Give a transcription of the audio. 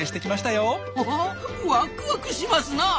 ほほっワクワクしますなあ！